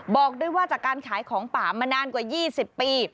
บอกด้วยว่าจากการขายของป่ามานานกว่า๒๐ปี